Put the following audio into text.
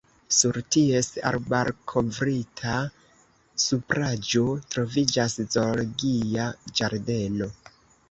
Sur ties arbarkovritta supraĵo troviĝas Zoologia ĝardeno.